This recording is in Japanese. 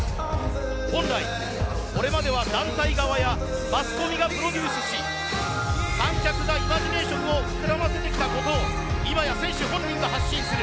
本来、これまでは団体側やマスコミがプロデュースし観客がイマジネーションを膨らませてきたことをいまや選手本人が発信する。